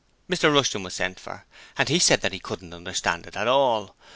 Mr Rushton was sent for, and he said that he couldn't understand it at all!